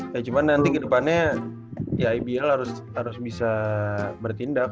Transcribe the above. ya cuma nanti ke depannya ya ibl harus bisa bertindak